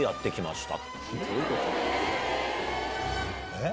えっ？